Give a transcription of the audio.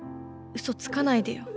嘘つかないでよ。